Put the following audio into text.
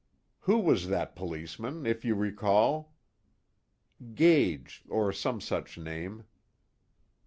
"Who was that policeman, if you recall?" "Gage or some such name."